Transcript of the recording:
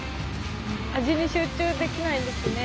味に集中できないですね。